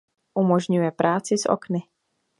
Umožňuje práci s okny.